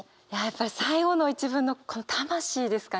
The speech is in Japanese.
やっぱり最後の一文の「魂」ですかね。